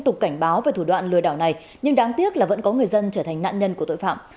tục cảnh báo về thủ đoạn lừa đảo này nhưng đáng tiếc là vẫn có người dân trở thành nạn nhân của tội phạm